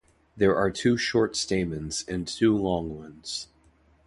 There are two short stamens and two long ones.